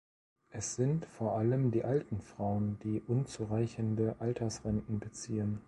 Es sind vor allem die alten Frauen, die unzureichende Altersrenten beziehen.